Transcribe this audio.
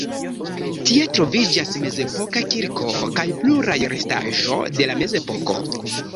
Tie troviĝas mezepoka kirko kaj pluraj restaĵo de la mezepoko.